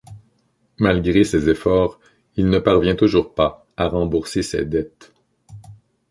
Malgré ses efforts, il ne parvient toujours pas à rembourser ses dettes.